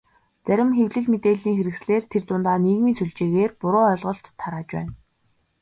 Зарим хэвлэл, мэдээллийн хэрэгслээр тэр дундаа нийгмийн сүлжээгээр буруу ойлголт тарааж байна.